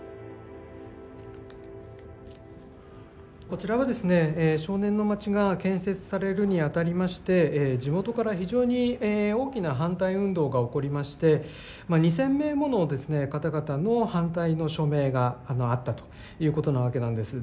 こちらがですね少年の町が建設されるにあたりまして地元から非常に大きな反対運動が起こりまして２，０００名もの方々の反対の署名があったということなわけなんです。